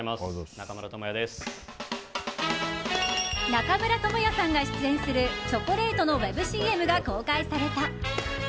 中村倫也さんが出演するチョコレートのウェブＣＭが公開された。